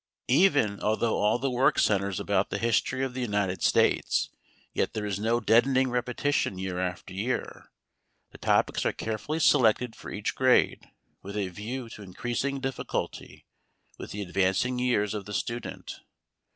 Even although all the work centers about the history of the United States, yet there is no deadening repetition year after year. The topics are carefully selected for each grade with a view to increasing difficulty with the advancing years of the student.